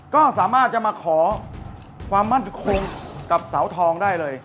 ก็สามารถจะมาขอความมั่นคงกับเสาทองได้เลย